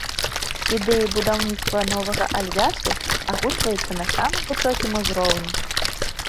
Ідэі будаўніцтва новага альянсу агучваюцца на самым высокім узроўні.